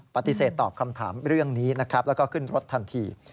ปฏิเสธตอบคำถามเรื่องนี้นะครับแล้วก็ขึ้นรถทันที